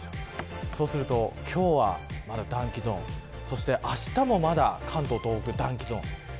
今日はまだ暖気ゾーンそして、あしたもまだ関東、東北暖気ゾーン。